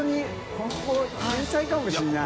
ここ天才かもしれない。